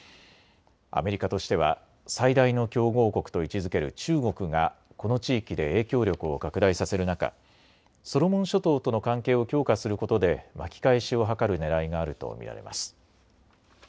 アメリカとしては最大の競合国と位置づける中国がこの地域で影響力を拡大させる中、ソロモン諸島との関係を強化することで巻き返しを図るねらいがあると見られます。